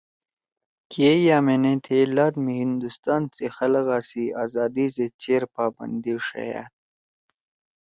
کے یأمینے تھیئے لات می ہندوستان سی خلگَا سی آزادی زید چیر پابندی ݜیأد